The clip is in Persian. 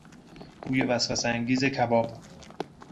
بوی وسوسهانگیز کباب